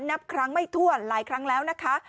นับครั้งไม่ทั่วหลายครั้งแล้วนะคะ